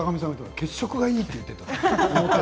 血色がいいって言っています。